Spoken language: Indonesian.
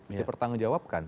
bisa bertanggung jawabkan